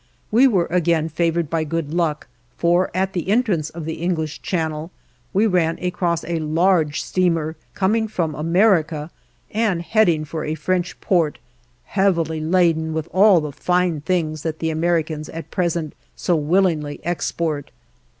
We were again favored by good luck, for at the entrance of the English Channel we ran across a large steamer, coming from America and heading for a French port, heavily laden with all the fine things that the Americans at present so willingly export.